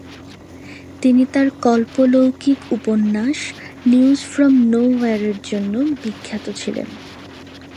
তিনি তার কল্পলৌকিক উপন্যাস নিউজ ফ্রম নোহোয়্যার-এর জন্য বিখ্যাত ছিলেন।